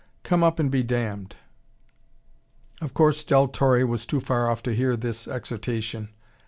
Come up and be damned." Of course Del Torre was too far off to hear this exhortation.